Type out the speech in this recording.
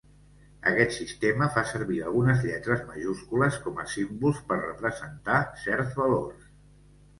Aquest sistema fa servir algunes lletres majúscules com a símbols per representar certs valors.